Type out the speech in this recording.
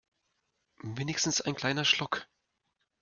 Wenigstens ein kleiner Schluck.